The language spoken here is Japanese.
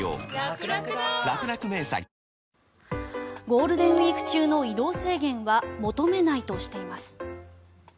ゴールデンウィーク中の移動制限は求めないとしています。